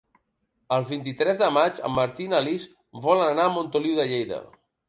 El vint-i-tres de maig en Martí i na Lis volen anar a Montoliu de Lleida.